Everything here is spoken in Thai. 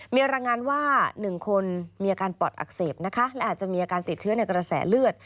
มีรายงานว่า๑คนมีอาการปอดอักเสบนะคะและอาจจะมีอาการติดเชื้อในกระแสเลือด